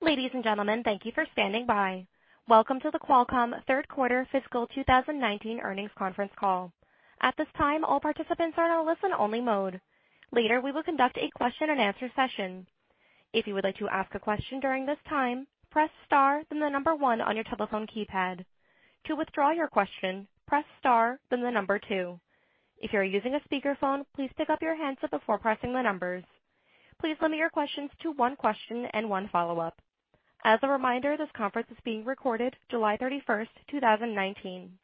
Ladies and gentlemen, thank you for standing by. Welcome to the Qualcomm third quarter fiscal 2019 earnings conference call. At this time, all participants are in a listen-only mode. Later, we will conduct a question and answer session. If you would like to ask a question during this time, press star, then the number 1 on your telephone keypad. To withdraw your question, press star, then the number 2. If you are using a speakerphone, please pick up your handset before pressing the numbers. Please limit your questions to one question and one follow-up. As a reminder, this conference is being recorded July 31st, 2019.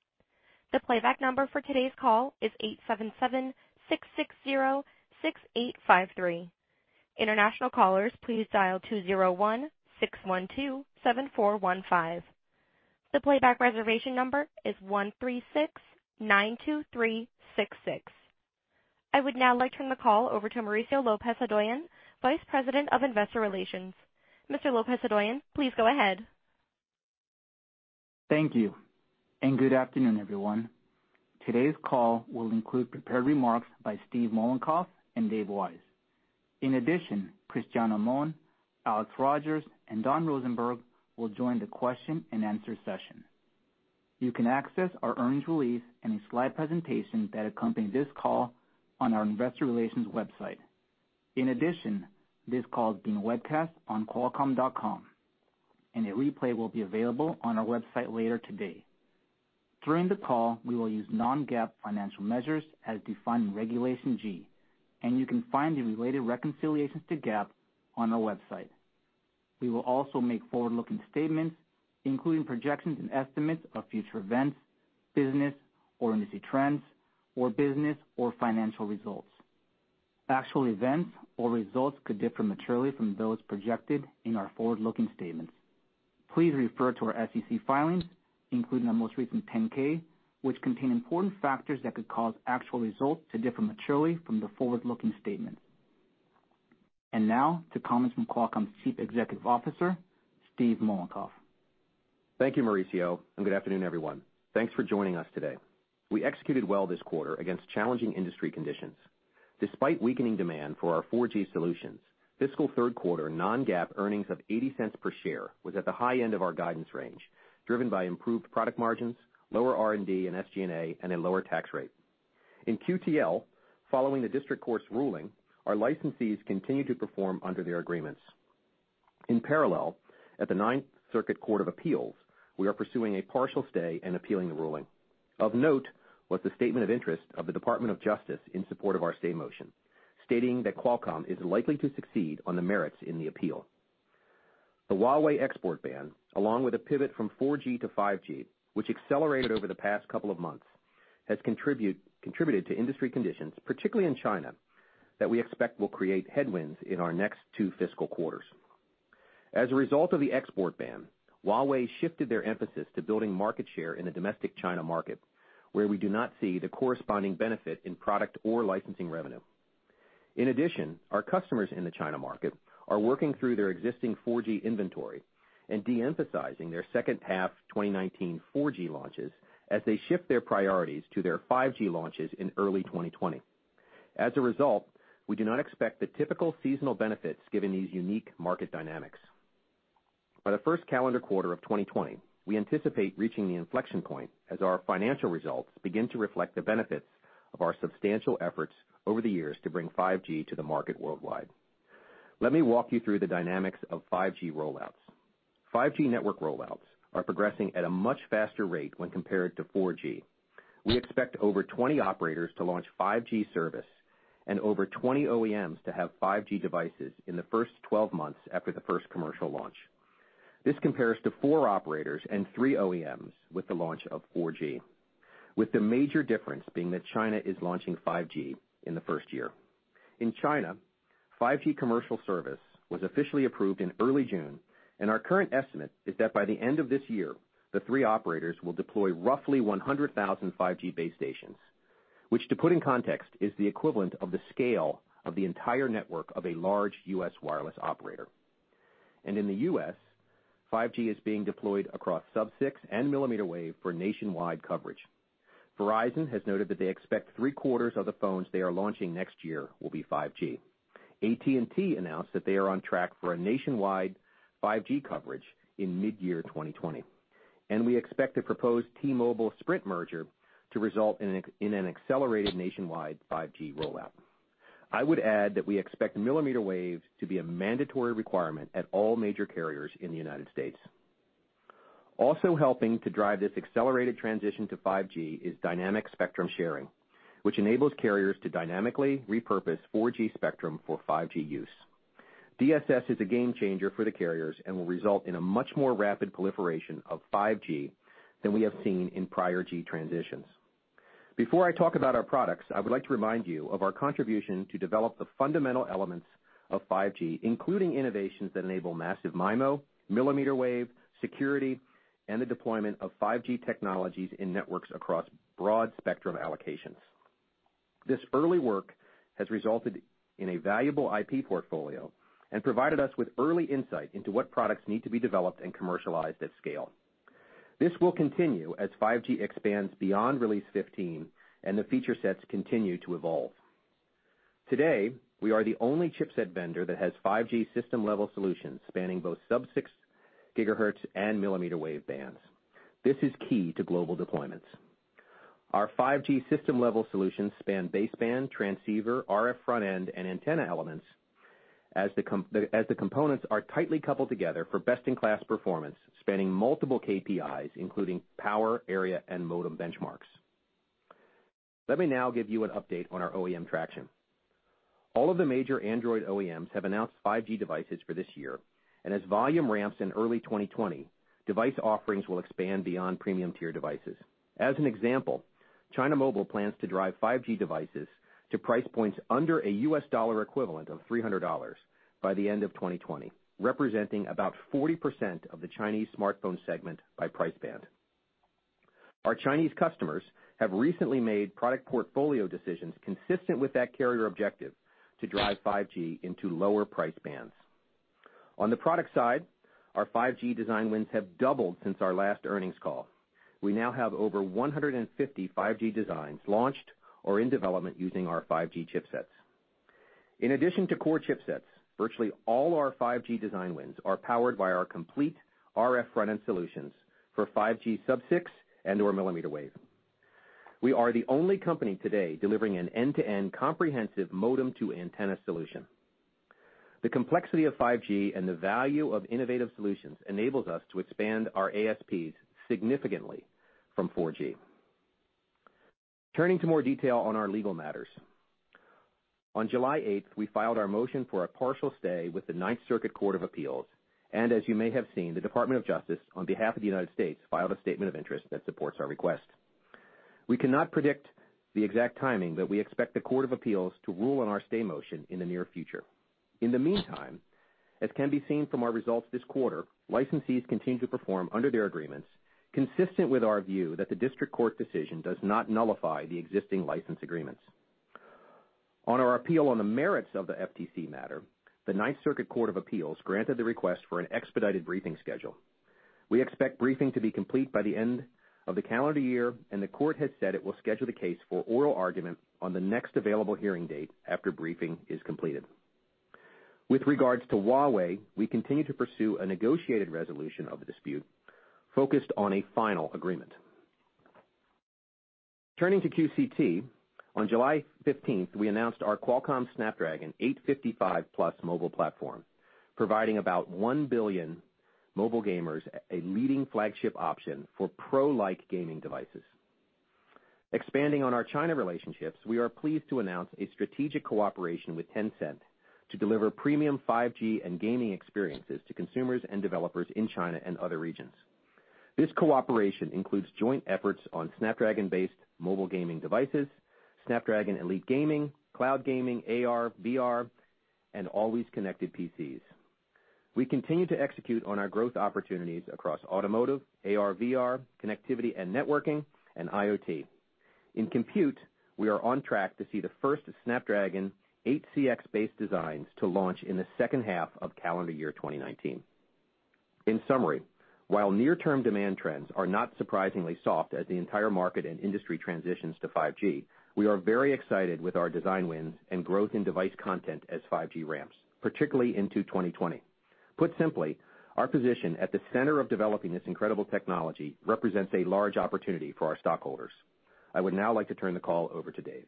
The playback number for today's call is 877-660-6853. International callers, please dial 201-612-7415. The playback reservation number is 13692366. I would now like to turn the call over to Mauricio Lopez-Hodoyan, Vice President of Investor Relations. Mr. Lopez-Hodoyan, please go ahead. Thank you. Good afternoon, everyone. Today's call will include prepared remarks by Steve Mollenkopf and Dave Wise. In addition, Cristiano Amon, Alex Rogers, and Don Rosenberg will join the question and answer session. You can access our earnings release and a slide presentation that accompany this call on our investor relations website. In addition, this call is being webcast on qualcomm.com, and a replay will be available on our website later today. During the call, we will use non-GAAP financial measures as defined in Regulation G, and you can find the related reconciliations to GAAP on our website. We will also make forward-looking statements, including projections and estimates of future events, business or industry trends, or business or financial results. Actual events or results could differ materially from those projected in our forward-looking statements. Please refer to our SEC filings, including our most recent 10-K, which contain important factors that could cause actual results to differ materially from the forward-looking statements. Now to comments from Qualcomm's Chief Executive Officer, Steve Mollenkopf. Thank you, Mauricio. Good afternoon, everyone. Thanks for joining us today. We executed well this quarter against challenging industry conditions. Despite weakening demand for our 4G solutions, fiscal third quarter non-GAAP earnings of $0.80 per share was at the high end of our guidance range, driven by improved product margins, lower R&D and SG&A, and a lower tax rate. In QTL, following the District Court's ruling, our licensees continued to perform under their agreements. In parallel, at the Ninth Circuit Court of Appeals, we are pursuing a partial stay and appealing the ruling. Of note was the statement of interest of the Department of Justice in support of our stay motion, stating that Qualcomm is likely to succeed on the merits in the appeal. The Huawei export ban, along with a pivot from 4G to 5G, which accelerated over the past couple of months, has contributed to industry conditions, particularly in China, that we expect will create headwinds in our next two fiscal quarters. As a result of the export ban, Huawei shifted their emphasis to building market share in the domestic China market, where we do not see the corresponding benefit in product or licensing revenue. In addition, our customers in the China market are working through their existing 4G inventory and de-emphasizing their second-half 2019 4G launches as they shift their priorities to their 5G launches in early 2020. As a result, we do not expect the typical seasonal benefits given these unique market dynamics. By the first calendar quarter of 2020, we anticipate reaching the inflection point as our financial results begin to reflect the benefits of our substantial efforts over the years to bring 5G to the market worldwide. Let me walk you through the dynamics of 5G rollouts. 5G network rollouts are progressing at a much faster rate when compared to 4G. We expect over 20 operators to launch 5G service and over 20 OEMs to have 5G devices in the first 12 months after the first commercial launch. This compares to four operators and three OEMs with the launch of 4G, with the major difference being that China is launching 5G in the first year. In China, 5G commercial service was officially approved in early June. Our current estimate is that by the end of this year, the three operators will deploy roughly 100,000 5G base stations, which to put in context, is the equivalent of the scale of the entire network of a large U.S. wireless operator. In the U.S., 5G is being deployed across sub-6 and millimeter wave for nationwide coverage. Verizon has noted that they expect three-quarters of the phones they are launching next year will be 5G. AT&T announced that they are on track for a nationwide 5G coverage in mid-year 2020. We expect the proposed T-Mobile-Sprint merger to result in an accelerated nationwide 5G rollout. I would add that we expect millimeter wave to be a mandatory requirement at all major carriers in the United States. Helping to drive this accelerated transition to 5G is Dynamic Spectrum Sharing, which enables carriers to dynamically repurpose 4G spectrum for 5G use. DSS is a game changer for the carriers and will result in a much more rapid proliferation of 5G than we have seen in prior G transitions. Before I talk about our products, I would like to remind you of our contribution to develop the fundamental elements of 5G, including innovations that enable Massive MIMO, millimeter wave, security, and the deployment of 5G technologies in networks across broad spectrum allocations. This early work has resulted in a valuable IP portfolio and provided us with early insight into what products need to be developed and commercialized at scale. This will continue as 5G expands beyond Release 15 and the feature sets continue to evolve. Today, we are the only chipset vendor that has 5G system-level solutions spanning both sub-6 gigahertz and millimeter wave bands. This is key to global deployments. Our 5G system-level solutions span baseband, transceiver, RF front-end, and antenna elements, as the components are tightly coupled together for best-in-class performance, spanning multiple KPIs, including power, area, and modem benchmarks. Let me now give you an update on our OEM traction. All of the major Android OEMs have announced 5G devices for this year, and as volume ramps in early 2020, device offerings will expand beyond premium-tier devices. As an example, China Mobile plans to drive 5G devices to price points under a US dollar equivalent of $300 by the end of 2020, representing about 40% of the Chinese smartphone segment by price band. Our Chinese customers have recently made product portfolio decisions consistent with that carrier objective to drive 5G into lower price bands. On the product side, our 5G design wins have doubled since our last earnings call. We now have over 150 5G designs launched or in development using our 5G chipsets. In addition to core chipsets, virtually all our 5G design wins are powered by our complete RF front-end solutions for 5G sub-6 and/or millimeter wave. We are the only company today delivering an end-to-end comprehensive modem-to-antenna solution. The complexity of 5G and the value of innovative solutions enables us to expand our ASPs significantly from 4G. Turning to more detail on our legal matters. On July 8th, we filed our motion for a partial stay with the Ninth Circuit Court of Appeals, and as you may have seen, the Department of Justice, on behalf of the United States, filed a statement of interest that supports our request. We cannot predict the exact timing, but we expect the Court of Appeals to rule on our stay motion in the near future. In the meantime, as can be seen from our results this quarter, licensees continue to perform under their agreements, consistent with our view that the District Court decision does not nullify the existing license agreements. On our appeal on the merits of the FTC matter, the Ninth Circuit Court of Appeals granted the request for an expedited briefing schedule. We expect briefing to be complete by the end of the calendar year, and the court has said it will schedule the case for oral argument on the next available hearing date after briefing is completed. With regards to Huawei, we continue to pursue a negotiated resolution of the dispute focused on a final agreement. Turning to QCT, on July 15th, we announced our Qualcomm Snapdragon 855 Plus mobile platform, providing about 1 billion mobile gamers a leading flagship option for pro-like gaming devices. Expanding on our China relationships, we are pleased to announce a strategic cooperation with Tencent to deliver premium 5G and gaming experiences to consumers and developers in China and other regions. This cooperation includes joint efforts on Snapdragon-based mobile gaming devices, Snapdragon Elite Gaming, cloud gaming, AR, VR, and always-connected PCs. We continue to execute on our growth opportunities across automotive, AR/VR, connectivity and networking, and IoT. In compute, we are on track to see the first Snapdragon 8cx-based designs to launch in the second half of calendar year 2019. In summary, while near-term demand trends are not surprisingly soft as the entire market and industry transitions to 5G, we are very excited with our design wins and growth in device content as 5G ramps, particularly into 2020. Put simply, our position at the center of developing this incredible technology represents a large opportunity for our stockholders. I would now like to turn the call over to Dave.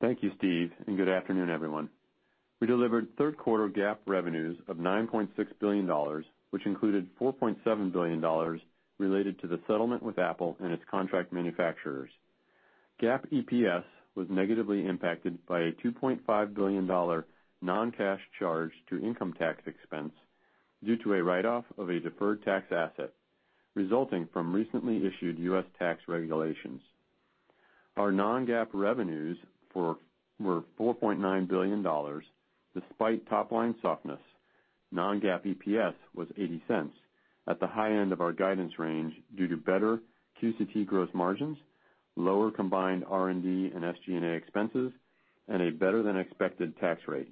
Thank you, Steve. Good afternoon, everyone. We delivered third-quarter GAAP revenues of $9.6 billion, which included $4.7 billion related to the settlement with Apple and its contract manufacturers. GAAP EPS was negatively impacted by a $2.5 billion non-cash charge to income tax expense due to a write-off of a deferred tax asset resulting from recently issued U.S. tax regulations. Our non-GAAP revenues were $4.9 billion. Despite top-line softness, non-GAAP EPS was $0.80, at the high end of our guidance range, due to better QCT gross margins, lower combined R&D and SG&A expenses, and a better-than-expected tax rate.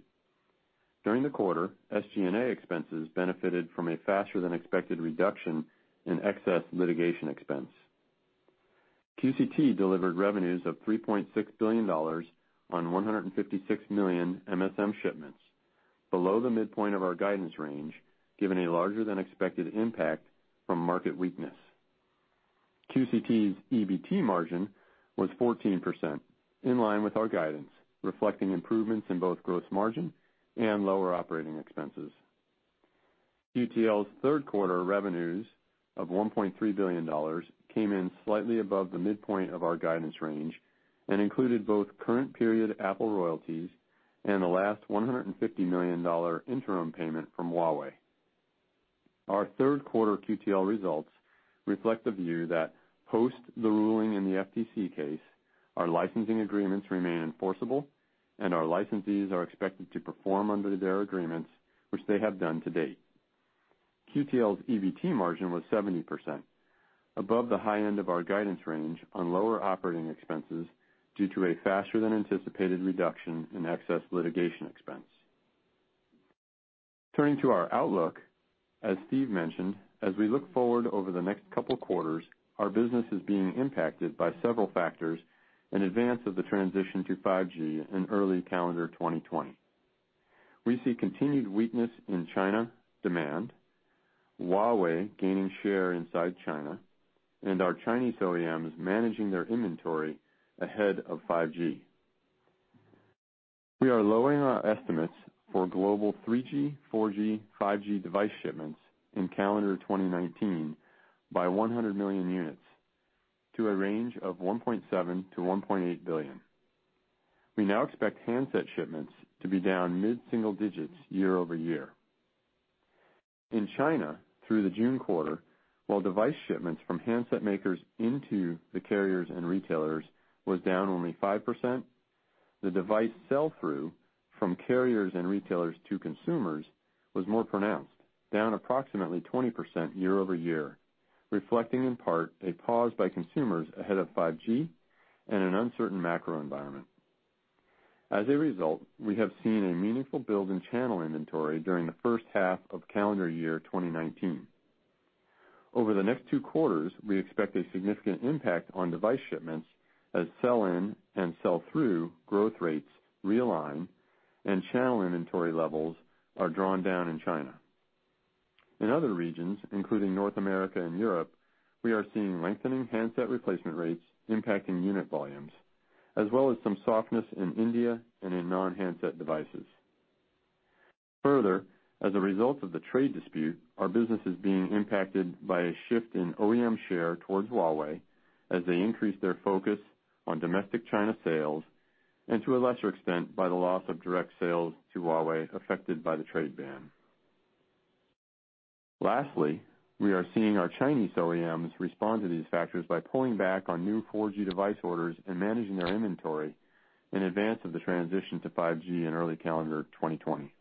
During the quarter, SG&A expenses benefited from a faster-than-expected reduction in excess litigation expense. QCT delivered revenues of $3.6 billion on 156 million MSM shipments, below the midpoint of our guidance range, given a larger-than-expected impact from market weakness. QCT's EBT margin was 14%, in line with our guidance, reflecting improvements in both gross margin and lower operating expenses. QTL's third-quarter revenues of $1.3 billion came in slightly above the midpoint of our guidance range and included both current period Apple royalties and the last $150 million interim payment from Huawei. Our third-quarter QTL results reflect the view that post the ruling in the FTC case, our licensing agreements remain enforceable and our licensees are expected to perform under their agreements, which they have done to date. QTL's EBT margin was 70%, above the high end of our guidance range on lower operating expenses due to a faster-than-anticipated reduction in excess litigation expense. Turning to our outlook, as Steve mentioned, as we look forward over the next couple of quarters, our business is being impacted by several factors in advance of the transition to 5G in early calendar 2020. We see continued weakness in China demand, Huawei gaining share inside China, and our Chinese OEMs managing their inventory ahead of 5G. We are lowering our estimates for global 3G, 4G, 5G device shipments in calendar 2019 by 100 million units to a range of 1.7 billion-1.8 billion. We now expect handset shipments to be down mid-single digits year-over-year. In China, through the June quarter, while device shipments from handset makers into the carriers and retailers was down only 5%, the device sell through from carriers and retailers to consumers was more pronounced, down approximately 20% year-over-year, reflecting in part a pause by consumers ahead of 5G and an uncertain macro environment. As a result, we have seen a meaningful build in channel inventory during the first half of calendar year 2019. Over the next two quarters, we expect a significant impact on device shipments as sell-in and sell-through growth rates realign and channel inventory levels are drawn down in China. In other regions, including North America and Europe, we are seeing lengthening handset replacement rates impacting unit volumes, as well as some softness in India and in non-handset devices. Further, as a result of the trade dispute, our business is being impacted by a shift in OEM share towards Huawei as they increase their focus on domestic China sales, and to a lesser extent, by the loss of direct sales to Huawei affected by the trade ban. Lastly, we are seeing our Chinese OEMs respond to these factors by pulling back on new 4G device orders and managing their inventory in advance of the transition to 5G in early calendar 2020.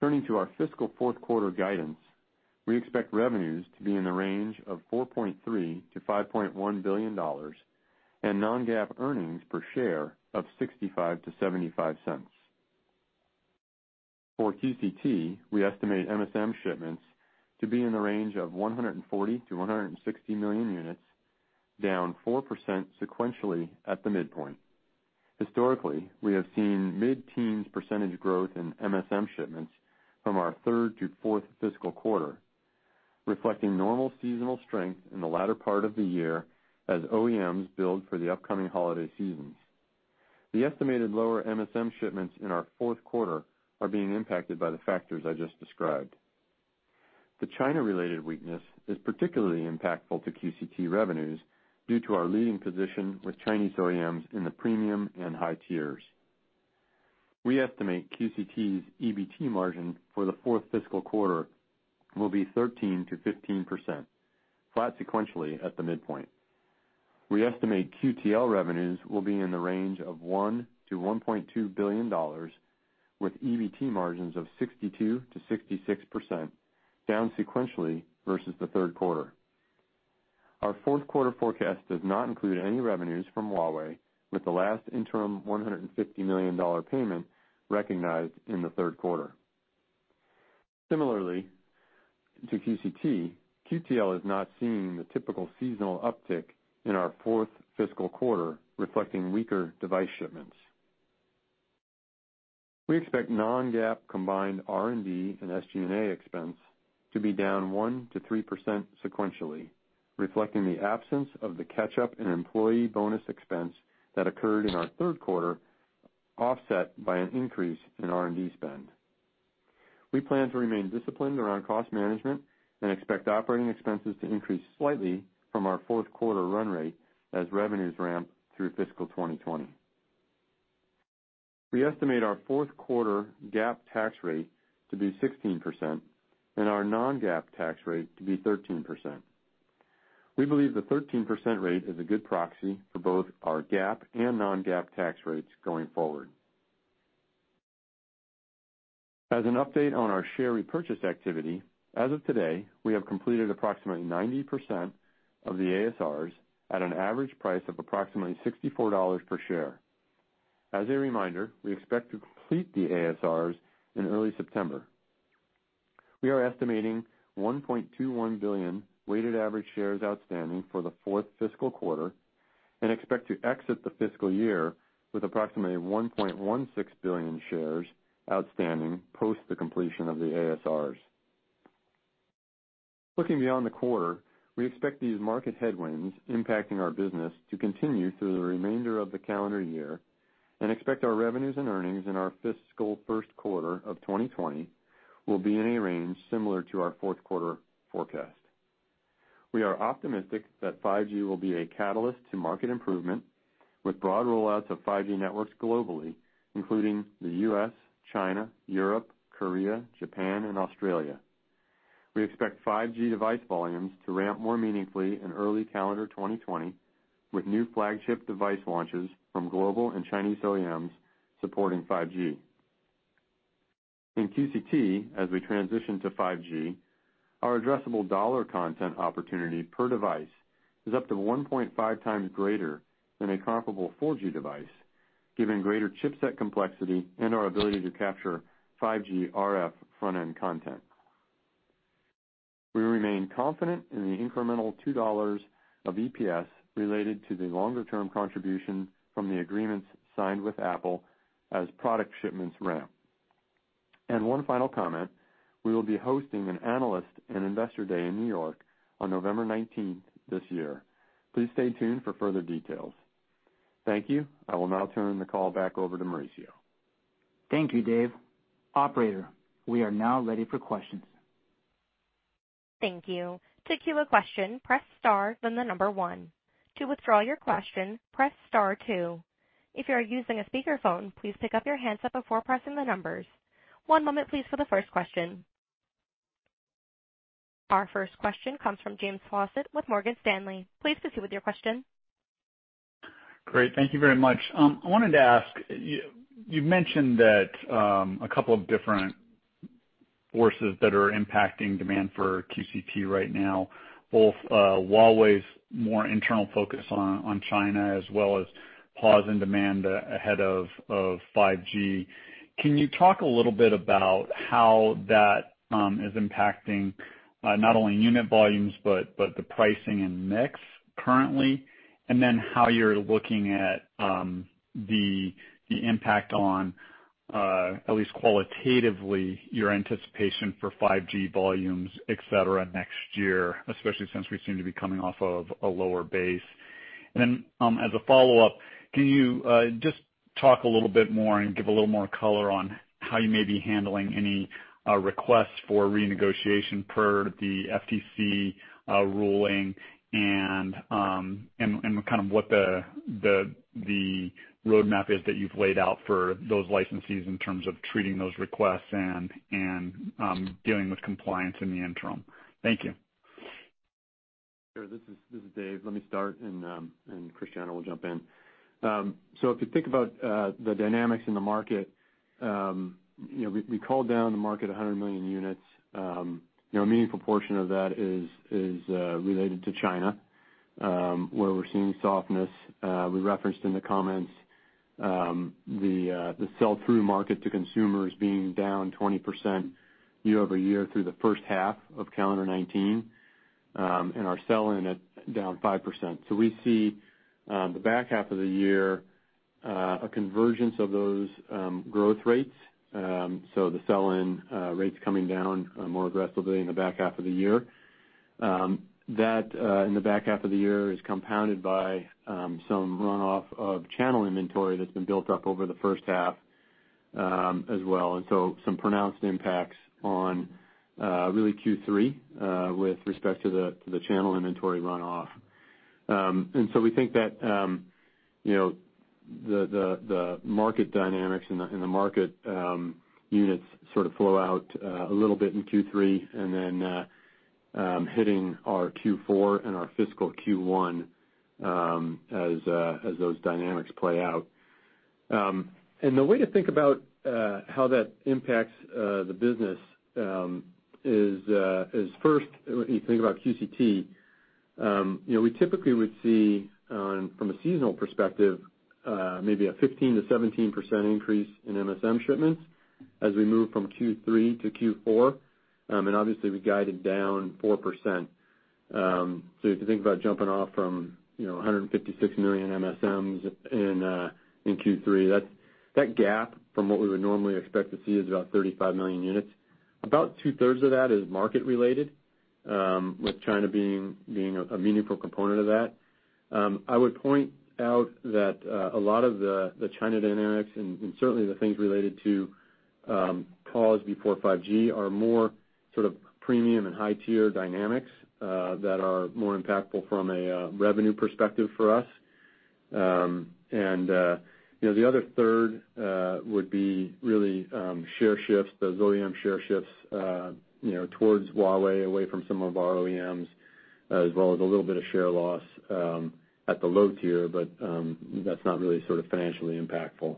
Turning to our fiscal fourth quarter guidance, we expect revenues to be in the range of $4.3 billion-$5.1 billion and non-GAAP earnings per share of $0.65-$0.75. For QCT, we estimate MSM shipments to be in the range of 140 million-160 million units, down 4% sequentially at the midpoint. Historically, we have seen mid-teens percentage growth in MSM shipments from our third to fourth fiscal quarter, reflecting normal seasonal strength in the latter part of the year as OEMs build for the upcoming holiday seasons. The estimated lower MSM shipments in our fourth quarter are being impacted by the factors I just described. The China-related weakness is particularly impactful to QCT revenues due to our leading position with Chinese OEMs in the premium and high tiers. We estimate QCT's EBT margin for the fourth fiscal quarter will be 13%-15%, flat sequentially at the midpoint. We estimate QTL revenues will be in the range of $1 billion-$1.2 billion, with EBT margins of 62%-66%, down sequentially versus the third quarter. Our fourth quarter forecast does not include any revenues from Huawei, with the last interim $150 million payment recognized in the third quarter. Similarly to QCT, QTL is not seeing the typical seasonal uptick in our fourth fiscal quarter, reflecting weaker device shipments. We expect non-GAAP combined R&D and SG&A expense to be down 1%-3% sequentially, reflecting the absence of the catch-up and employee bonus expense that occurred in our third quarter, offset by an increase in R&D spend. We plan to remain disciplined around cost management and expect operating expenses to increase slightly from our fourth quarter run rate as revenues ramp through fiscal 2020. We estimate our fourth quarter GAAP tax rate to be 16% and our non-GAAP tax rate to be 13%. We believe the 13% rate is a good proxy for both our GAAP and non-GAAP tax rates going forward. As an update on our share repurchase activity, as of today, we have completed approximately 90% of the ASRs at an average price of approximately $64 per share. As a reminder, we expect to complete the ASRs in early September. We are estimating 1.21 billion weighted average shares outstanding for the fourth fiscal quarter and expect to exit the fiscal year with approximately 1.16 billion shares outstanding post the completion of the ASRs. Looking beyond the quarter, we expect these market headwinds impacting our business to continue through the remainder of the calendar year and expect our revenues and earnings in our fiscal first quarter of 2020 will be in a range similar to our fourth quarter forecast. We are optimistic that 5G will be a catalyst to market improvement with broad rollouts of 5G networks globally, including the U.S., China, Europe, Korea, Japan, and Australia. We expect 5G device volumes to ramp more meaningfully in early calendar 2020 with new flagship device launches from global and Chinese OEMs supporting 5G. In QCT, as we transition to 5G, our addressable dollar content opportunity per device is up to 1.5 times greater than a comparable 4G device, given greater chipset complexity and our ability to capture 5G RF front-end content. We remain confident in the incremental $2 of EPS related to the longer-term contribution from the agreements signed with Apple as product shipments ramp. One final comment, we will be hosting an analyst and investor day in New York on November 19th this year. Please stay tuned for further details. Thank you. I will now turn the call back over to Mauricio. Thank you, Dave. Operator, we are now ready for questions. Thank you. To queue a question, press star, then the number one. To withdraw your question, press star two. If you are using a speakerphone, please pick up your handset before pressing the numbers. One moment, please, for the first question. Our first question comes from James Faucette with Morgan Stanley. Please proceed with your question. Great. Thank you very much. I wanted to ask, you mentioned that a couple of different forces that are impacting demand for QCT right now, both Huawei's more internal focus on China as well as pause in demand ahead of 5G. Can you talk a little bit about how that is impacting not only unit volumes, but the pricing and mix currently? How you're looking at the impact on, at least qualitatively, your anticipation for 5G volumes, et cetera, next year, especially since we seem to be coming off of a lower base. As a follow-up, can you just talk a little bit more and give a little more color on how you may be handling any requests for renegotiation per the FTC ruling and kind of what the roadmap is that you've laid out for those licensees in terms of treating those requests and dealing with compliance in the interim? Thank you. Sure. This is Dave. Let me start, and Cristiano will jump in. If you think about the dynamics in the market, we called down the market 100 million units. A meaningful portion of that is related to China, where we're seeing softness. We referenced in the comments the sell-through market to consumers being down 20% year-over-year through the first half of calendar 2019, and our sell-in at down 5%. We see the back half of the year a convergence of those growth rates, so the sell-in rates coming down more aggressively in the back half of the year. That in the back half of the year is compounded by some runoff of channel inventory that's been built up over the first half as well. Some pronounced impacts on really Q3 with respect to the channel inventory runoff. We think that the market dynamics and the market units sort of flow out a little bit in Q3, then hitting our Q4 and our fiscal Q1 as those dynamics play out. The way to think about how that impacts the business is first, you think about QCT. We typically would see, from a seasonal perspective, maybe a 15% to 17% increase in MSM shipments as we move from Q3 to Q4. Obviously, we guided down 4%. If you think about jumping off from 156 million MSMs in Q3, that gap from what we would normally expect to see is about 35 million units. About two-thirds of that is market related, with China being a meaningful component of that. I would point out that a lot of the China dynamics and certainly the things related to pause before 5G are more sort of premium and high-tier dynamics that are more impactful from a revenue perspective for us. The other third would be really share shifts, those OEM share shifts towards Huawei away from some of our OEMs, as well as a little bit of share loss at the low tier, but that's not really sort of financially impactful.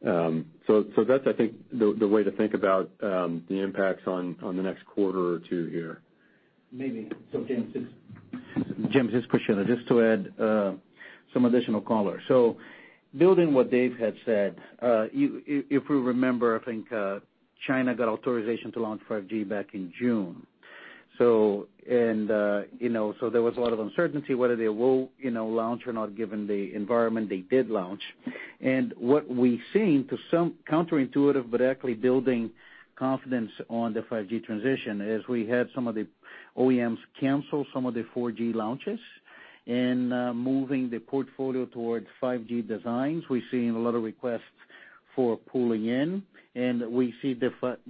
That's, I think, the way to think about the impacts on the next quarter or two here. Maybe. James, it's Cristiano. Just to add some additional color. Building what Dave had said, if we remember, I think China got authorization to launch 5G back in June. There was a lot of uncertainty whether they will launch or not given the environment they did launch. What we've seen, to some counterintuitive but actually building confidence on the 5G transition, is we had some of the OEMs cancel some of the 4G launches and moving the portfolio towards 5G designs. We're seeing a lot of requests for pulling in, and we see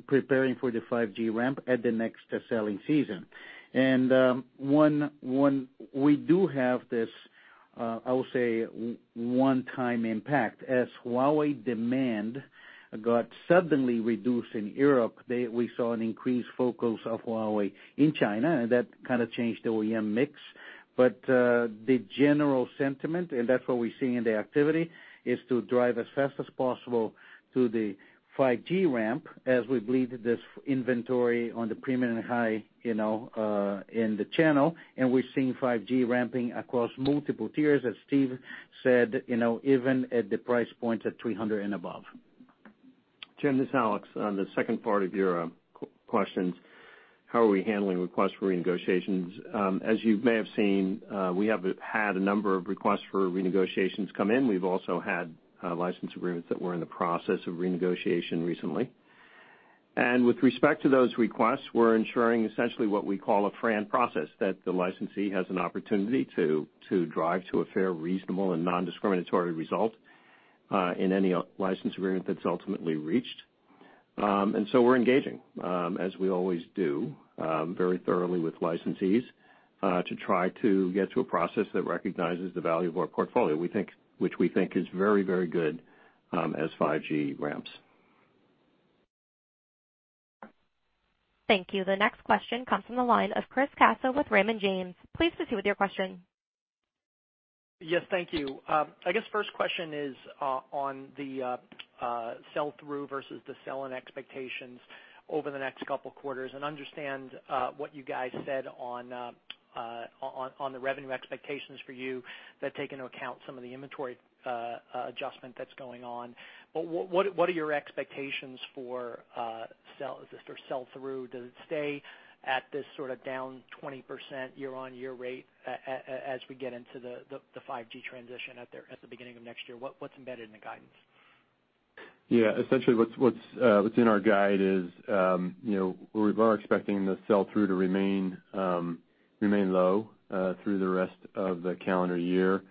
preparing for the 5G ramp at the next selling season. One, we do have this, I would say, one-time impact. As Huawei demand got suddenly reduced in Europe, we saw an increased focus of Huawei in China, and that kind of changed the OEM mix. The general sentiment, and that's what we're seeing in the activity, is to drive as fast as possible to the 5G ramp as we bleed this inventory on the premium and high in the channel. We're seeing 5G ramping across multiple tiers, as Steve said, even at the price points at $300 and above. Jim, this is Alex. On the second part of your questions, how are we handling requests for renegotiations? As you may have seen, we have had a number of requests for renegotiations come in. We've also had license agreements that were in the process of renegotiation recently. With respect to those requests, we're ensuring essentially what we call a FRAND process, that the licensee has an opportunity to drive to a fair, reasonable, and non-discriminatory result, in any license agreement that's ultimately reached. We're engaging, as we always do, very thoroughly with licensees, to try to get to a process that recognizes the value of our portfolio, which we think is very good, as 5G ramps. Thank you. The next question comes from the line of Chris Caso with Raymond James. Please proceed with your question. Yes, thank you. I guess first question is on the sell-through versus the sell-in expectations over the next couple of quarters and understand what you guys said on the revenue expectations for you that take into account some of the inventory adjustment that's going on. What are your expectations for sell or sell-through? Does it stay at this sort of down 20% year-on-year rate as we get into the 5G transition at the beginning of next year? What's embedded in the guidance? Yeah, essentially what's in our guide is, we are expecting the sell-through to remain low through the rest of the calendar year,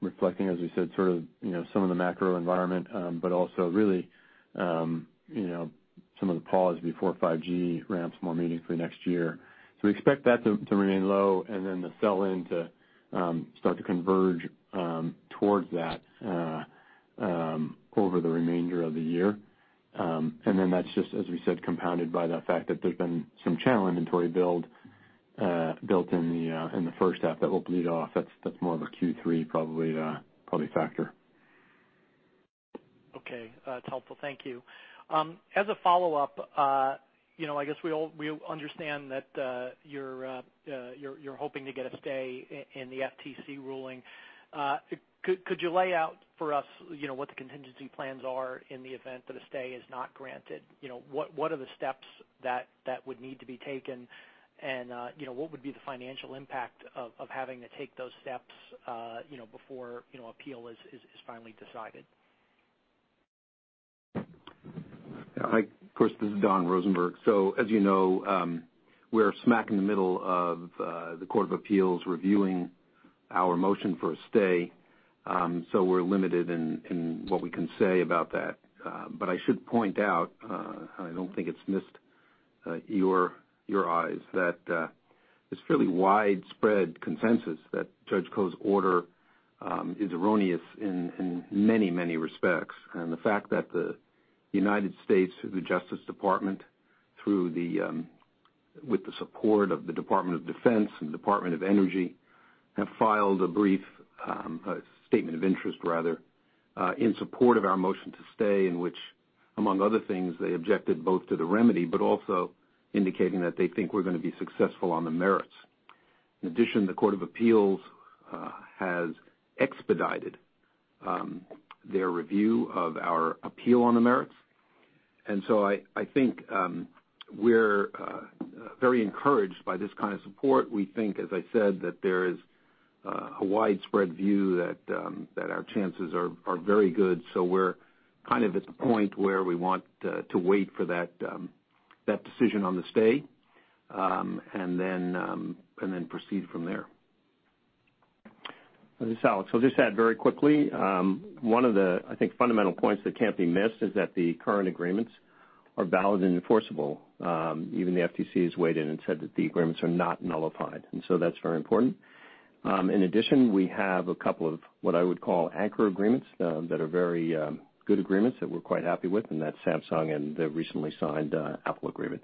reflecting, as we said, some of the macro environment, but also really some of the pause before 5G ramps more meaningfully next year. We expect that to remain low, and then the sell-in to start to converge towards that over the remainder of the year. That's just, as we said, compounded by the fact that there's been some channel inventory build built in the first half that will bleed off. That's more of a Q3 probably factor. Okay. That's helpful. Thank you. As a follow-up, I guess we understand that you're hoping to get a stay in the FTC ruling. Could you lay out for us what the contingency plans are in the event that a stay is not granted? What are the steps that would need to be taken, and what would be the financial impact of having to take those steps before appeal is finally decided? Mike, of course, this is Don Rosenberg. As you know, we're smack in the middle of the Court of Appeals reviewing our motion for a stay, so we're limited in what we can say about that. I should point out, I don't think it's missed your eyes, that this fairly widespread consensus that Judge Koh's order is erroneous in many respects. The fact that the United States through the Department of Justice with the support of the Department of Defense and Department of Energy, have filed a brief, a statement of interest rather, in support of our motion to stay, in which, among other things, they objected both to the remedy, but also indicating that they think we're going to be successful on the merits. In addition, the Court of Appeals has expedited their review of our appeal on the merits. I think we're very encouraged by this kind of support. We think, as I said, that there is a widespread view that our chances are very good. We're kind of at the point where we want to wait for that decision on the stay, and then proceed from there. This is Alex. I'll just add very quickly. One of the, I think, fundamental points that can't be missed is that the current agreements are valid and enforceable. Even the FTC has weighed in and said that the agreements are not nullified, that's very important. In addition, we have a couple of, what I would call anchor agreements that are very good agreements that we're quite happy with, that's Samsung and the recently signed Apple agreement.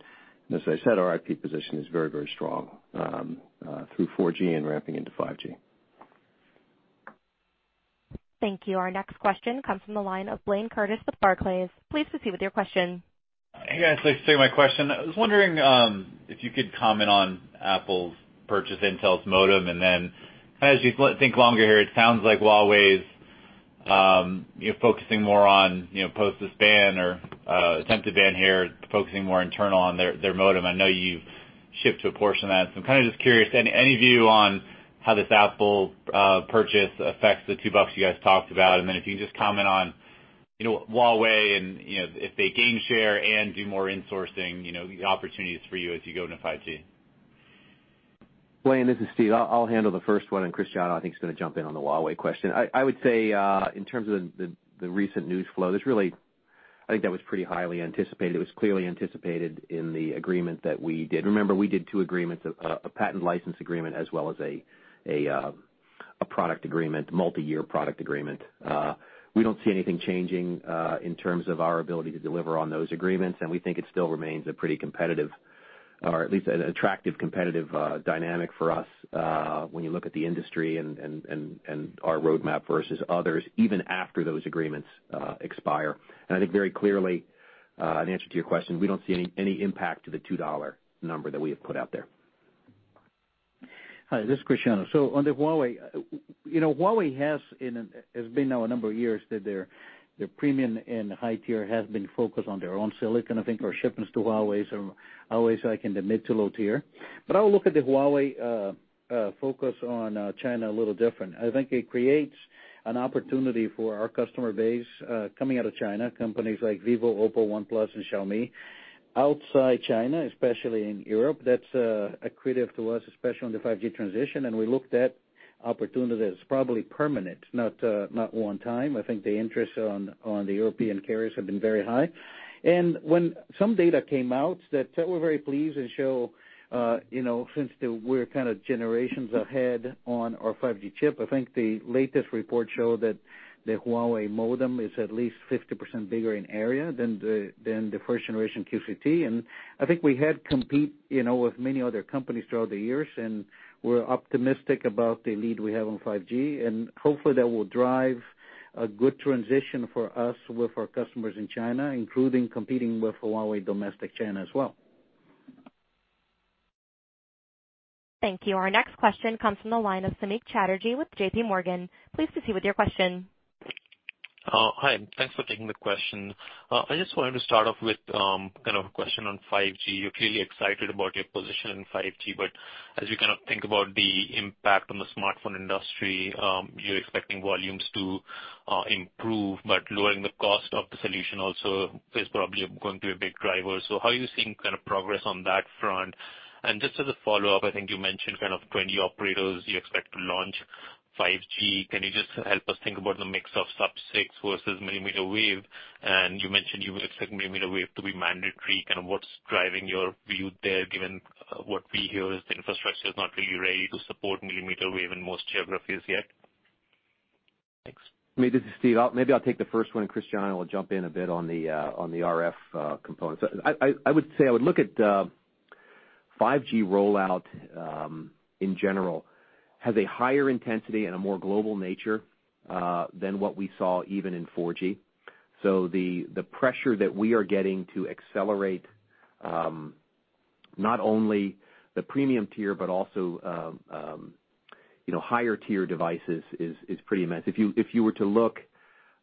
As I said, our IP position is very strong through 4G and ramping into 5G. Thank you. Our next question comes from the line of Blayne Curtis with Barclays. Please proceed with your question. Hey, guys. Thanks for taking my question. I was wondering if you could comment on Apple's purchase Intel's modem. As you think longer here, it sounds like Huawei's focusing more on post the ban or attempted ban here, focusing more internal on their modem. I know you've shipped to a portion of that. I'm kind of just curious, any view on how this Apple purchase affects the two bucks you guys talked about? If you can just comment on Huawei and if they gain share and do more insourcing, the opportunities for you as you go into 5G. Blayne, this is Steve. I'll handle the first one and Cristiano Amon I think is going to jump in on the Huawei question. I would say, in terms of the recent news flow, I think that was pretty highly anticipated. It was clearly anticipated in the agreement that we did. Remember, we did two agreements, a patent license agreement as well as a product agreement, multi-year product agreement. We don't see anything changing in terms of our ability to deliver on those agreements, and we think it still remains a pretty competitive or at least an attractive competitive dynamic for us when you look at the industry and our roadmap versus others, even after those agreements expire. I think very clearly, in answer to your question, we don't see any impact to the $2 number that we have put out there. Hi, this is Cristiano. On the Huawei. Huawei has been now a number of years that their premium and high tier has been focused on their own silicon, I think, or shipments to Huawei, so Huawei's like in the mid to low tier. I will look at the Huawei focus on China a little different. I think it creates an opportunity for our customer base coming out of China, companies like Vivo, OPPO, OnePlus and Xiaomi. Outside China, especially in Europe, that's accretive to us, especially on the 5G transition, and we looked at opportunity that's probably permanent, not one time. I think the interest on the European carriers have been very high. When some data came out that we're very pleased and show, we're kind of generations ahead on our 5G chip. I think the latest report show that the Huawei modem is at least 50% bigger in area than the first generation QCT. I think we had compete with many other companies throughout the years, and we're optimistic about the lead we have on 5G, and hopefully that will drive a good transition for us with our customers in China, including competing with Huawei domestic China as well. Thank you. Our next question comes from the line of Samik Chatterjee with JPMorgan. Please proceed with your question. Hi, and thanks for taking the question. I just wanted to start off with kind of a question on 5G. You're clearly excited about your position in 5G, but as you kind of think about the impact on the smartphone industry, you're expecting volumes to improve, but lowering the cost of the solution also is probably going to be a big driver. How are you seeing kind of progress on that front? Just as a follow-up, I think you mentioned kind of 20 operators you expect to launch 5G. Can you just help us think about the mix of sub-6 versus mmWave? You mentioned you would expect mmWave to be mandatory. Kind of what's driving your view there, given what we hear is the infrastructure is not really ready to support mmWave in most geographies yet? Thanks. This is Steve. Maybe I'll take the first one, and Cristiano will jump in a bit on the RF components. I would say I would look at 5G rollout, in general, has a higher intensity and a more global nature than what we saw even in 4G. The pressure that we are getting to accelerate not only the premium tier, but also higher tier devices is pretty immense. If you were to look,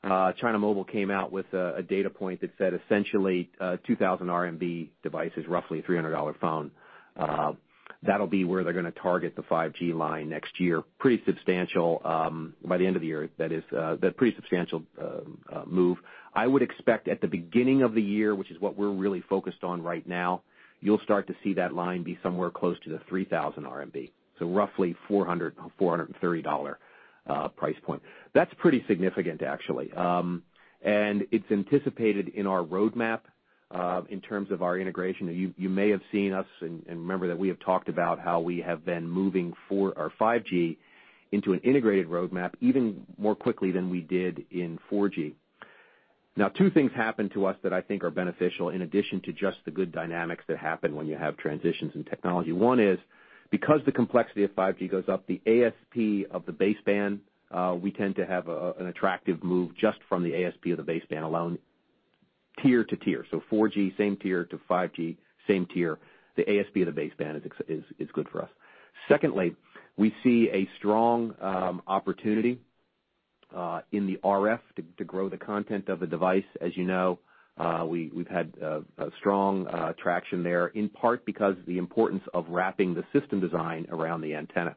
China Mobile came out with a data point that said essentially 2,000 RMB device is roughly a $300 phone. That'll be where they're gonna target the 5G line next year. Pretty substantial, by the end of the year, that is, pretty substantial move. I would expect at the beginning of the year, which is what we're really focused on right now, you'll start to see that line be somewhere close to the 3,000 RMB, so roughly $400, $430 price point. That's pretty significant, actually. It's anticipated in our roadmap, in terms of our integration. You may have seen us and remember that we have talked about how we have been moving 5G into an integrated roadmap even more quickly than we did in 4G. Now, two things happened to us that I think are beneficial in addition to just the good dynamics that happen when you have transitions in technology. One is, because the complexity of 5G goes up, the ASP of the baseband, we tend to have an attractive move just from the ASP of the baseband alone, tier to tier. 4G, same tier to 5G, same tier. The ASP of the baseband is good for us. Secondly, we see a strong opportunity in the RF to grow the content of the device. As you know, we've had strong traction there, in part because of the importance of wrapping the system design around the antenna.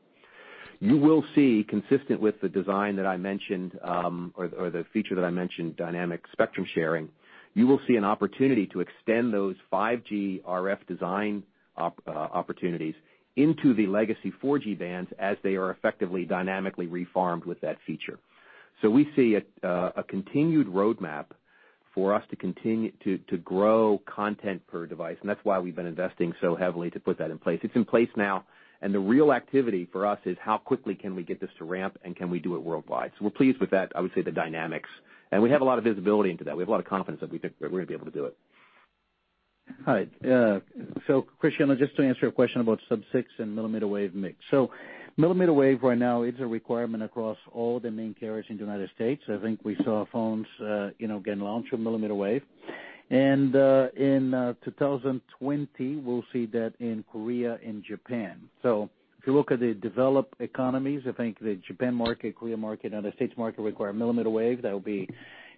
You will see consistent with the design that I mentioned, or the feature that I mentioned, Dynamic Spectrum Sharing, you will see an opportunity to extend those 5G RF design opportunities into the legacy 4G bands as they are effectively dynamically reformed with that feature. We see a continued roadmap for us to grow content per device, and that's why we've been investing so heavily to put that in place. It's in place now, and the real activity for us is how quickly can we get this to ramp and can we do it worldwide. We're pleased with that, I would say, the dynamics. We have a lot of visibility into that. We have a lot of confidence that we're gonna be able to do it. All right. Cristiano, just to answer your question about sub-6 and mmWave mix. mmWave right now is a requirement across all the main carriers in the United States. I think we saw phones getting launched with mmWave. In 2020, we'll see that in Korea and Japan. If you look at the developed economies, I think the Japan market, Korea market, United States market require mmWave. That will be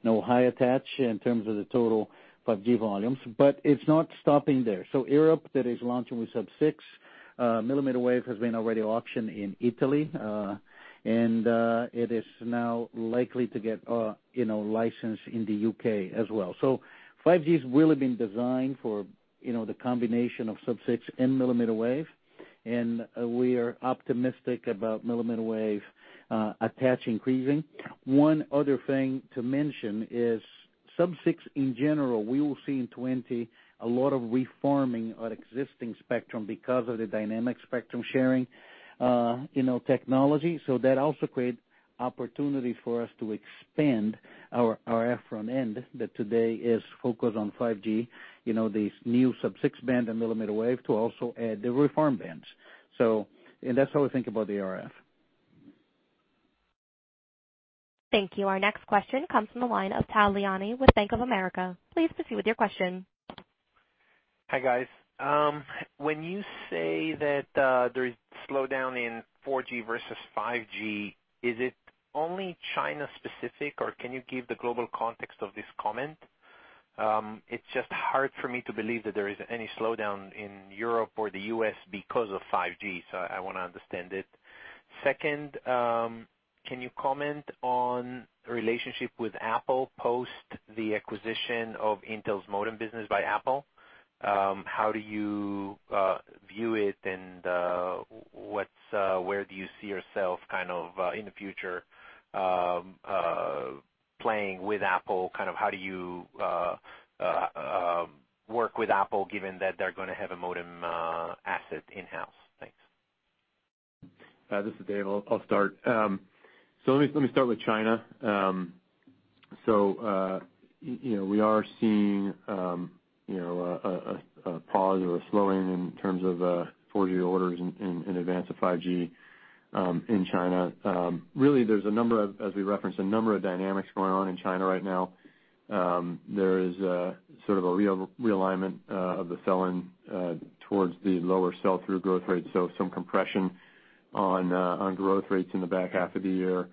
high attach in terms of the total 5G volumes. It's not stopping there. Europe that is launching with sub-6, mmWave has been already auctioned in Italy. It is now likely to get licensed in the U.K. as well. 5G's really been designed for the combination of sub-6 and mmWave, and we are optimistic about mmWave attach increasing. One other thing to mention is sub-6 in general, we will see in 2020 a lot of reforming our existing spectrum because of the Dynamic Spectrum Sharing technology. That also creates opportunities for us to expand our RF front-end that today is focused on 5G, this new sub-6 band and millimeter wave to also add the reform bands. That's how we think about the RF. Thank you. Our next question comes from the line of Tal Liani with Bank of America. Please proceed with your question. Hi, guys. When you say that there's slowdown in 4G versus 5G, is it only China specific, or can you give the global context of this comment? It's just hard for me to believe that there is any slowdown in Europe or the U.S. because of 5G, so I want to understand it. Second, can you comment on the relationship with Apple post the acquisition of Intel's modem business by Apple? How do you view it and where do you see yourself in the future playing with Apple? How do you work with Apple given that they're going to have a modem asset in-house? Thanks. This is Dave. I'll start. Let me start with China. We are seeing a pause or a slowing in terms of 4G orders in advance of 5G in China. Really, as we referenced, a number of dynamics going on in China right now. There is sort of a realignment of the sell-in towards the lower sell-through growth rate, so some compression on growth rates in the back half of the year.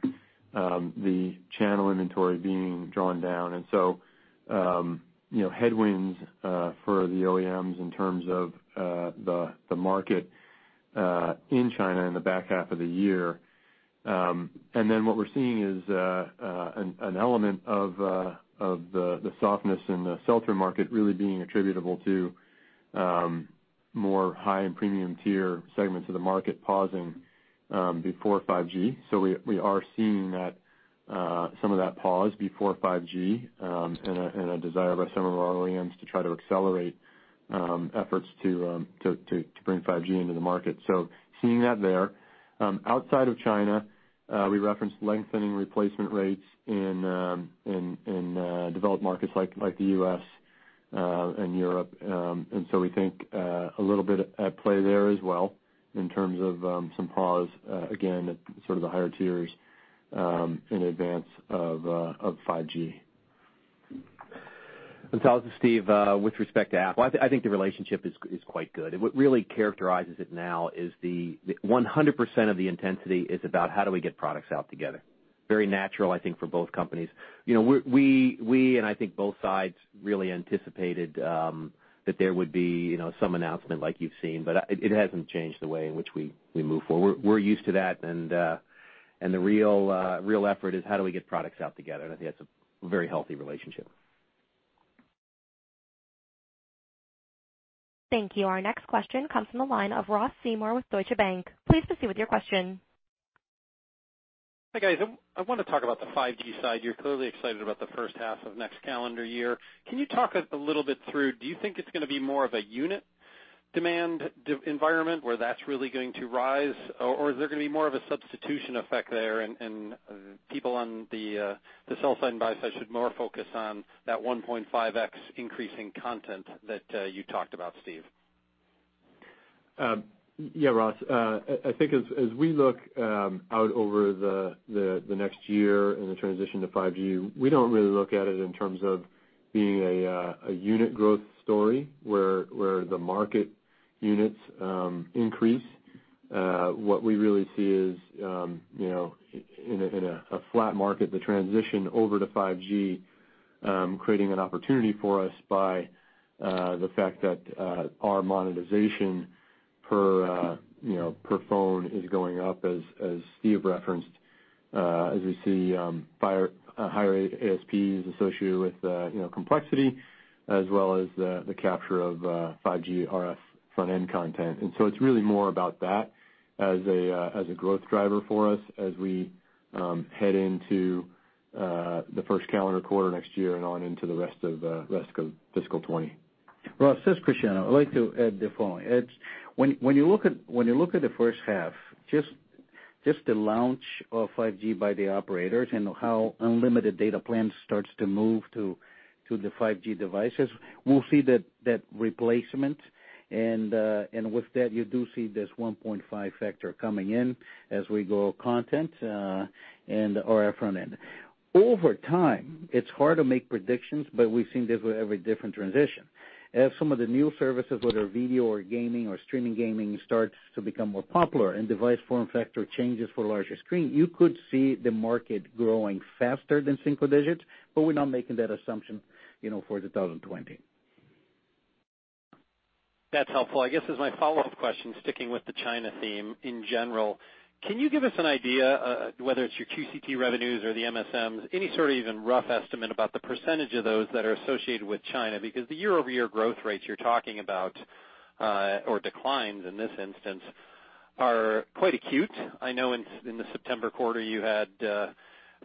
The channel inventory being drawn down. Headwinds for the OEMs in terms of the market in China in the back half of the year. What we're seeing is an element of the softness in the sell-through market really being attributable to more high and premium tier segments of the market pausing before 5G. We are seeing some of that pause before 5G and a desire by some of our OEMs to try to accelerate efforts to bring 5G into the market. Outside of China, we referenced lengthening replacement rates in developed markets like the U.S. and Europe. We think a little bit at play there as well in terms of some pause, again, at sort of the higher tiers in advance of 5G. Tal, this is Steve. With respect to Apple, I think the relationship is quite good. What really characterizes it now is 100% of the intensity is about how do we get products out together. Very natural, I think, for both companies. We, and I think both sides, really anticipated that there would be some announcement like you've seen, but it hasn't changed the way in which we move forward. We're used to that, and the real effort is how do we get products out together, and I think that's a very healthy relationship. Thank you. Our next question comes from the line of Ross Seymore with Deutsche Bank. Please proceed with your question. Hi, guys. I want to talk about the 5G side. You're clearly excited about the first half of next calendar year. Can you talk a little bit through, do you think it's going to be more of a unit demand environment where that's really going to rise, or is there going to be more of a substitution effect there and people on the sell side and buy side should more focus on that 1.5x increase in content that you talked about, Steve? Yeah, Ross. I think as we look out over the next year and the transition to 5G, we don't really look at it in terms of being a unit growth story where the market units increase. What we really see is in a flat market, the transition over to 5G creating an opportunity for us by the fact that our monetization per phone is going up, as Steve referenced, as we see higher ASPs associated with complexity as well as the capture of 5G RF front-end content. It's really more about that as a growth driver for us as we head into the first calendar quarter next year and on into the rest of fiscal 2020. Ross, this is Cristiano. I'd like to add the following. When you look at the first half, just the launch of 5G by the operators and how unlimited data plans starts to move to the 5G devices, we'll see that replacement, and with that, you do see this 1.5 factor coming in as we go content and RF front-end. Over time, it's hard to make predictions, but we've seen this with every different transition. As some of the new services, whether video or gaming or streaming gaming, starts to become more popular and device form factor changes for larger screen, you could see the market growing faster than single digits, but we're not making that assumption for 2020. That's helpful. I guess as my follow-up question, sticking with the China theme in general, can you give us an idea, whether it's your QCT revenues or the MSMs, any sort of even rough estimate about the percentage of those that are associated with China? The year-over-year growth rates you're talking about, or declines in this instance are quite acute. I know in the September quarter, you had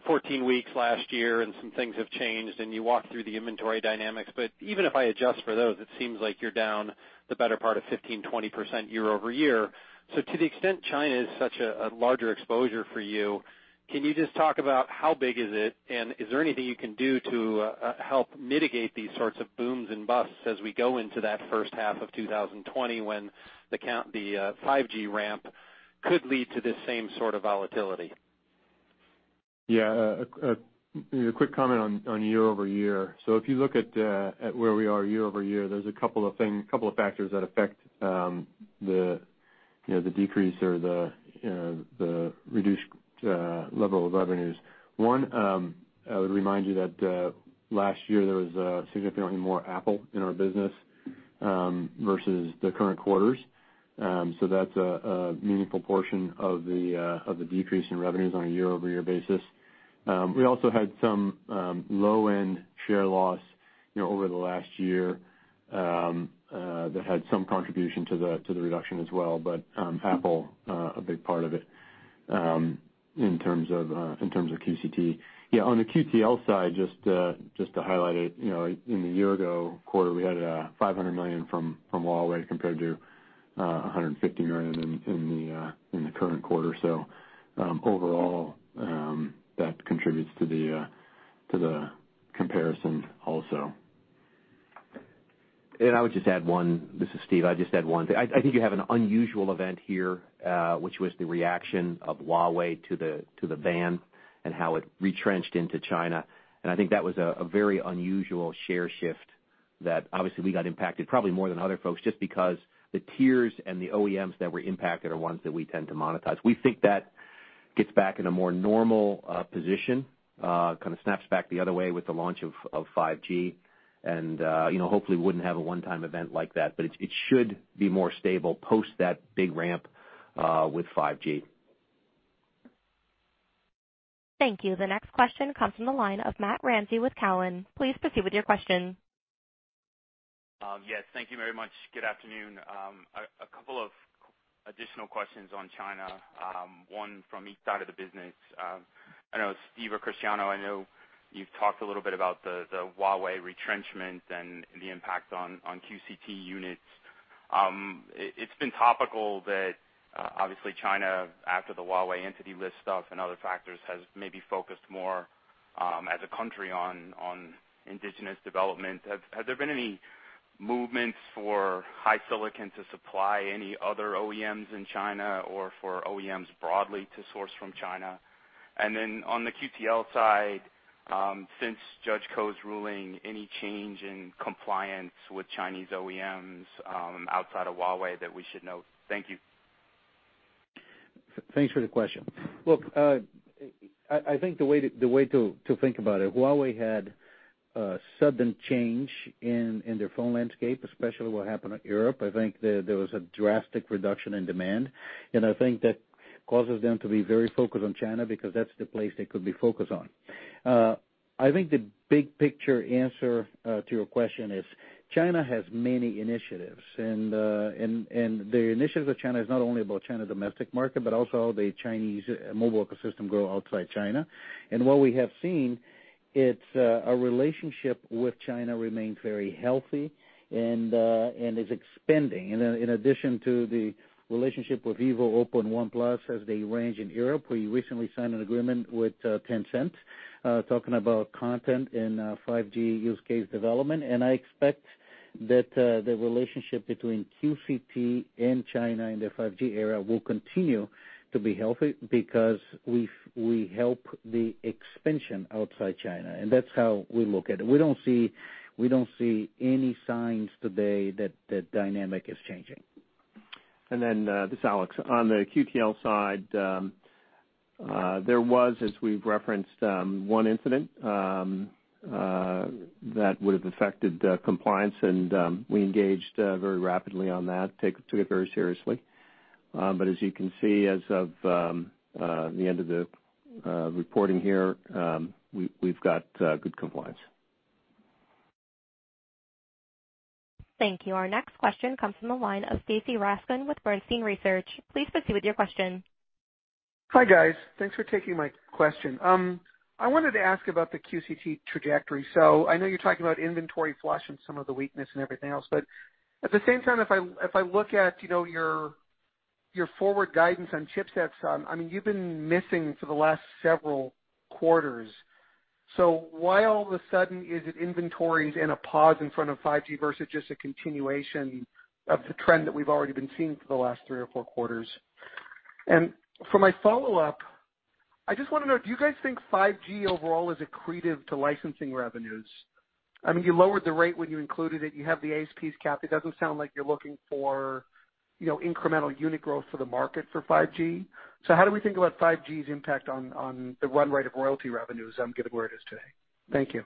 14 weeks last year, and some things have changed, and you walk through the inventory dynamics, but even if I adjust for those, it seems like you're down the better part of 15%, 20% year-over-year. To the extent China is such a larger exposure for you, can you just talk about how big is it? Is there anything you can do to help mitigate these sorts of booms and busts as we go into that first half of 2020, when the 5G ramp could lead to this same sort of volatility? Yeah. A quick comment on year-over-year. If you look at where we are year-over-year, there's a couple of factors that affect the decrease or the reduced level of revenues. One, I would remind you that last year, there was significantly more Apple in our business, versus the current quarters. That's a meaningful portion of the decrease in revenues on a year-over-year basis. We also had some low-end share loss over the last year, that had some contribution to the reduction as well. Apple, a big part of it, in terms of QCT. Yeah, on the QTL side, just to highlight it, in the year ago quarter, we had $500 million from Huawei compared to $150 million in the current quarter. Overall, that contributes to the comparison also. I would just add one. This is Steve. I'd just add one thing. I think you have an unusual event here, which was the reaction of Huawei to the ban and how it retrenched into China. I think that was a very unusual share shift that obviously we got impacted probably more than other folks, just because the tiers and the OEMs that were impacted are ones that we tend to monetize. We think that gets back in a more normal position, kind of snaps back the other way with the launch of 5G, and hopefully wouldn't have a one-time event like that. It should be more stable post that big ramp with 5G. Thank you. The next question comes from the line of Matt Ramsay with Cowen. Please proceed with your question. Yes, thank you very much. Good afternoon. A couple of additional questions on China, one from each side of the business. I know Steve Mollenkopf or Cristiano Amon, I know you've talked a little bit about the Huawei retrenchment and the impact on QCT units. It's been topical that obviously China, after the Huawei entity list stuff and other factors, has maybe focused more, as a country, on indigenous development. Has there been any movements for HiSilicon to supply any other OEMs in China or for OEMs broadly to source from China? Then on the QTL side, since Judge Koh's ruling, any change in compliance with Chinese OEMs outside of Huawei that we should note? Thank you. Thanks for the question. Look, I think the way to think about it, Huawei had a sudden change in their phone landscape, especially what happened at Europe. I think that causes them to be very focused on China because that's the place they could be focused on. I think the big picture answer to your question is China has many initiatives, the initiatives of China is not only about China domestic market, but also the Chinese mobile ecosystem grow outside China. What we have seen, our relationship with China remains very healthy and is expanding. In addition to the relationship with Vivo, OPPO, and OnePlus as they range in Europe, we recently signed an agreement with Tencent, talking about content and 5G use case development. I expect that the relationship between QCT and China in the 5G era will continue to be healthy because we help the expansion outside China, and that's how we look at it. We don't see any signs today that that dynamic is changing. This is Alex. On the QTL side, there was, as we've referenced, one incident that would have affected compliance, and we engaged very rapidly on that, took it very seriously. As you can see, as of the end of the reporting here, we've got good compliance. Thank you. Our next question comes from the line of Stacy Rasgon with Bernstein Research. Please proceed with your question. Hi, guys. Thanks for taking my question. I wanted to ask about the QCT trajectory. I know you're talking about inventory flush and some of the weakness and everything else, but at the same time, if I look at your forward guidance on chipsets, I mean, you've been missing for the last several quarters. Why all of a sudden is it inventories and a pause in front of 5G versus just a continuation of the trend that we've already been seeing for the last three or four quarters? For my follow-up, I just want to know, do you guys think 5G overall is accretive to licensing revenues? I mean, you lowered the rate when you included it. You have the ASPs capped. It doesn't sound like you're looking for incremental unit growth for the market for 5G. How do we think about 5G's impact on the run rate of royalty revenues given where it is today? Thank you.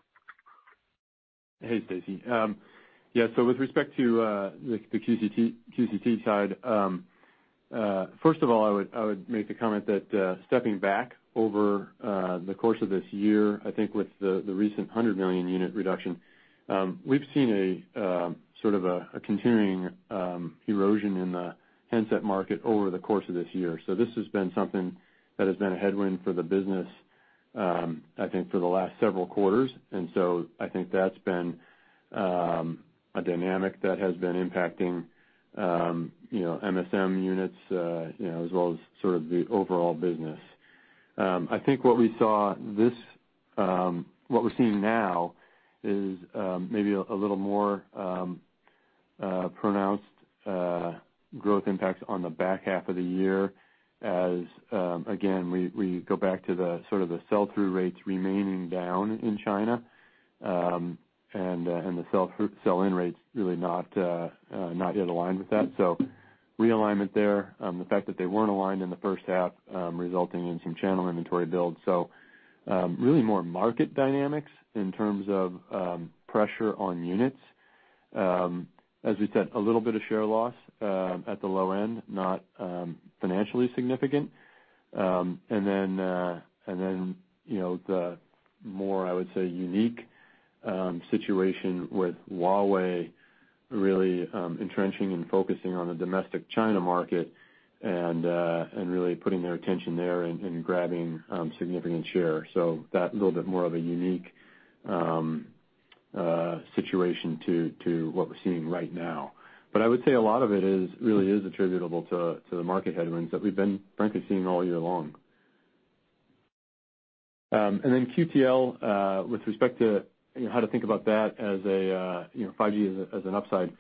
Hey, Stacy. Yeah. With respect to the QCT side, first of all, I would make the comment that stepping back over the course of this year, I think with the recent 100 million unit reduction, we've seen a continuing erosion in the handset market over the course of this year. This has been something that has been a headwind for the business. I think for the last several quarters. I think that's been a dynamic that has been impacting MSM units, as well as sort of the overall business. I think what we're seeing now is maybe a little more pronounced growth impacts on the back half of the year as, again, we go back to the sort of the sell-through rates remaining down in China, and the sell-in rates really not yet aligned with that. Realignment there, the fact that they weren't aligned in the first half, resulting in some channel inventory build. Really more market dynamics in terms of pressure on units. As we said, a little bit of share loss at the low end, not financially significant. Then, the more, I would say, unique situation with Huawei really entrenching and focusing on the domestic China market and really putting their attention there and grabbing significant share. That a little bit more of a unique situation to what we're seeing right now. I would say a lot of it really is attributable to the market headwinds that we've been, frankly, seeing all year long. Then QTL, with respect to how to think about that as 5G as an upside.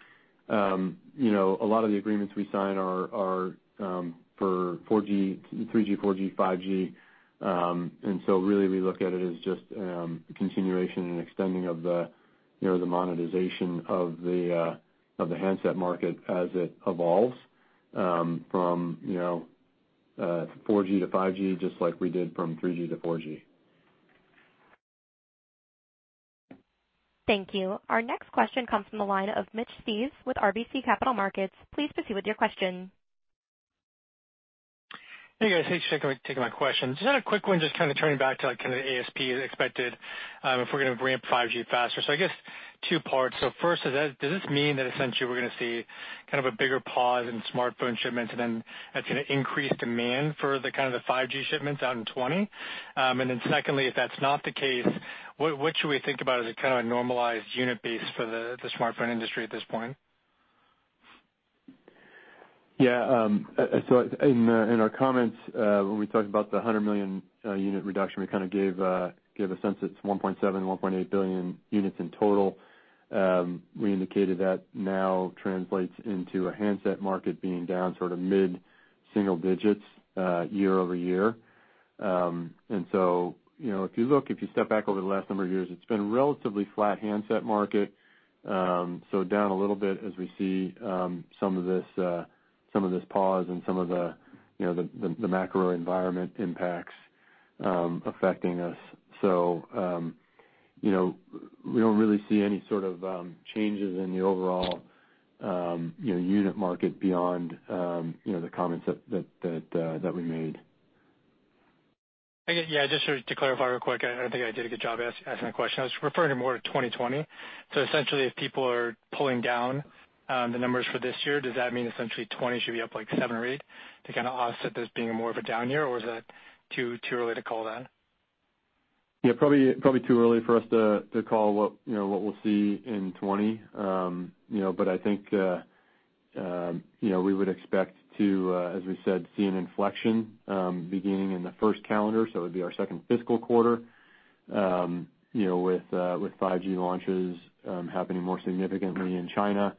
A lot of the agreements we sign are for 3G, 4G, 5G. Really we look at it as just a continuation and extending of the monetization of the handset market as it evolves from 4G to 5G, just like we did from 3G to 4G. Thank you. Our next question comes from the line of Mitch Steves with RBC Capital Markets. Please proceed with your question. Hey, guys. Thanks for taking my questions. Just had a quick one, just kind of turning back to kind of the ASP expected, if we're going to ramp 5G faster. I guess two parts. First, does this mean that essentially we're going to see kind of a bigger pause in smartphone shipments and then that's going to increase demand for the kind of the 5G shipments out in 2020? Secondly, if that's not the case, what should we think about as a kind of a normalized unit base for the smartphone industry at this point? Yeah. In our comments, when we talked about the 100 million unit reduction, we kind of gave a sense it's 1.7 billion, 1.8 billion units in total. We indicated that now translates into a handset market being down sort of mid-single digits year-over-year. If you step back over the last number of years, it's been a relatively flat handset market. Down a little bit as we see some of this pause and some of the macro environment impacts affecting us. We don't really see any sort of changes in the overall unit market beyond the comments that we made. Yeah, just to clarify real quick, I don't think I did a good job asking the question. I was referring more to 2020. Essentially if people are pulling down the numbers for this year, does that mean essentially 2020 should be up like seven or eight to kind of offset this being more of a down year, or is that too early to call that? Yeah, probably too early for us to call what we'll see in 2020. I think we would expect to, as we said, see an inflection beginning in the first calendar, so it would be our second fiscal quarter, with 5G launches happening more significantly in China,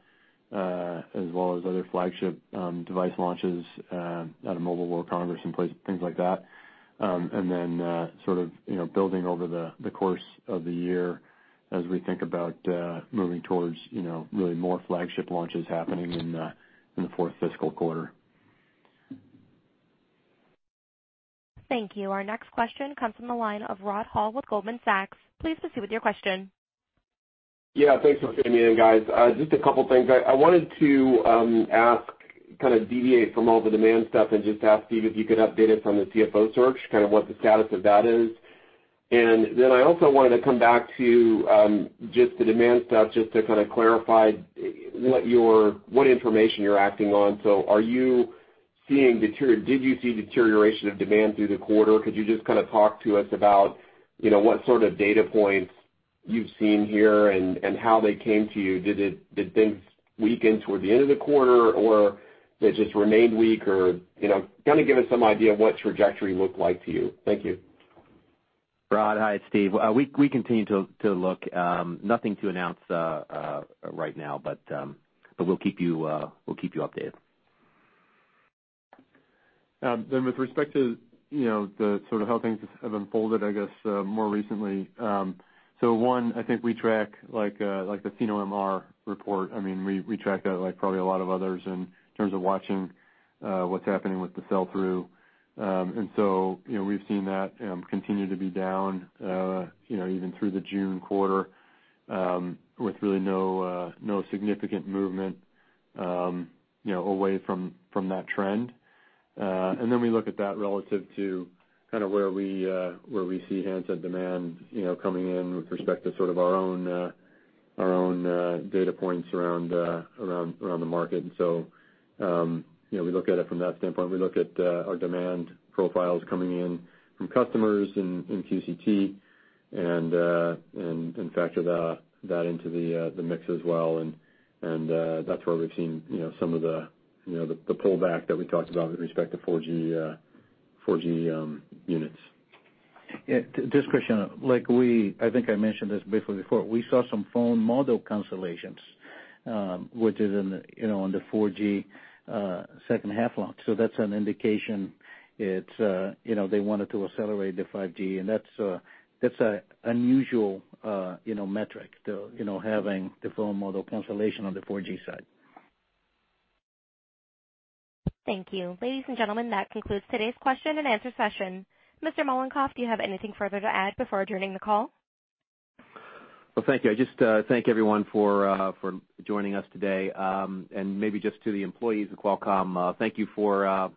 as well as other flagship device launches out of Mobile World Congress and things like that. Sort of building over the course of the year as we think about moving towards really more flagship launches happening in the fourth fiscal quarter. Thank you. Our next question comes from the line of Rod Hall with Goldman Sachs. Please proceed with your question. Thanks for fitting me in, guys. Just a couple of things. I wanted to kind of deviate from all the demand stuff and just ask Steve if you could update us on the CFO search, kind of what the status of that is. Then I also wanted to come back to just the demand stuff just to kind of clarify what information you're acting on. Did you see deterioration of demand through the quarter? Could you just kind of talk to us about what sort of data points you've seen here and how they came to you? Did things weaken toward the end of the quarter, or they just remained weak? Kind of give us some idea of what trajectory looked like to you. Thank you. Rod, hi, it's Steve. We continue to look. Nothing to announce right now, but we'll keep you updated. With respect to sort of how things have unfolded, I guess, more recently. One, I think we track the Sino MR report. We track that like probably a lot of others in terms of watching what's happening with the sell-through. We've seen that continue to be down even through the June quarter, with really no significant movement away from that trend. We look at that relative to kind of where we see handset demand coming in with respect to sort of our own data points around the market. We look at it from that standpoint. We look at our demand profiles coming in from customers in QCT and factor that into the mix as well. That's where we've seen some of the pullback that we talked about with respect to 4G units. Yeah. Just a question. I think I mentioned this briefly before. We saw some phone model cancellations, which is on the 4G second half launch. That's an indication they wanted to accelerate the 5G, and that's a unusual metric, having the phone model cancellation on the 4G side. Thank you. Ladies and gentlemen, that concludes today's question and answer session. Mr. Mollenkopf, do you have anything further to add before adjourning the call? Well, thank you. I just thank everyone for joining us today. Maybe just to the employees of Qualcomm, thank you for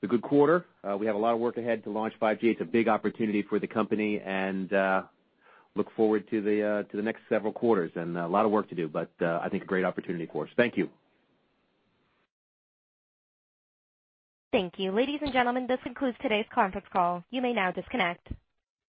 the good quarter. We have a lot of work ahead to launch 5G. It's a big opportunity for the company, and look forward to the next several quarters. A lot of work to do, but I think a great opportunity, of course. Thank you. Thank you. Ladies and gentlemen, this concludes today's conference call. You may now disconnect.